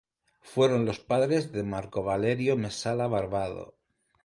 Fueron los padres de Marco Valerio Mesala Barbado.